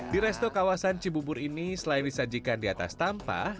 di resto kawasan cibubur ini selain disajikan di atas tampah